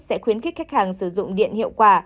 sẽ khuyến khích khách hàng sử dụng điện hiệu quả